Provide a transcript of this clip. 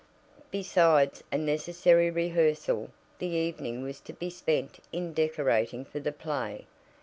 Besides a necessary rehearsal, the evening was to be spent in decorating for the play.